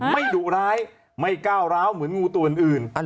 ดุร้ายไม่ก้าวร้าวเหมือนงูตัวอื่น